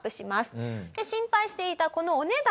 心配していたこのお値段もですね